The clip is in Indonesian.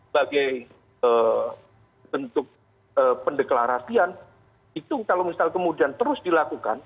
bagai bentuk pendeklarasian itu kalau misal kemudian terus dilakukan